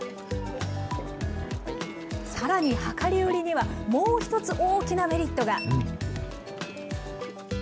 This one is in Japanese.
さらに量り売りには、もう一つ大きなメリットが。